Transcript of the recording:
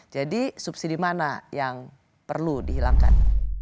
jadi subsidi mana yang perlu dihilangkan